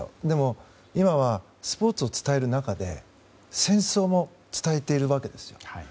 でも今はスポーツを伝える中で戦争も伝えているわけです。